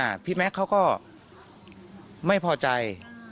อ่าพี่แม็กซ์เขาก็ไม่พอใจอ่า